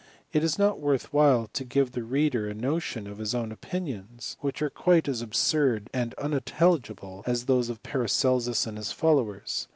It irf^ not worth while to give the reader a notion of his own ~ opinions, which are quite as absurd and unintelligibly as those of Paracelsus and his followers.